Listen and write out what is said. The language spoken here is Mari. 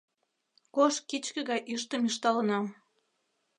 Кож кичке гай ӱштым ӱшталынам